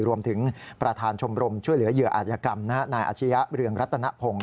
รวมถึงประธานชมรมช่วยเหลือเหยื่ออาจยกรรมนายอาชียะเรืองรัตนพงศ์